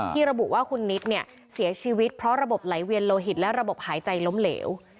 ระบุว่าคุณนิดเนี่ยเสียชีวิตเพราะระบบไหลเวียนโลหิตและระบบหายใจล้มเหลว